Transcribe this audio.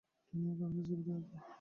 Dining কারের সাথে security আছে।